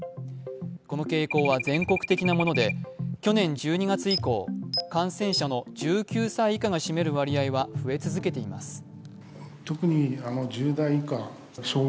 この傾向は全国的なもので去年１２月以降感染者の１９歳以下が占める割合は増え続けています。